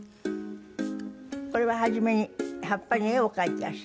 これは初めに葉っぱに絵を描いて。